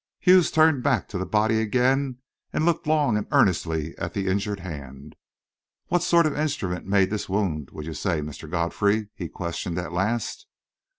Hughes turned back to the body again, and looked long and earnestly at the injured hand. "What sort of instrument made this wound, would you say, Mr. Godfrey?" he questioned, at last.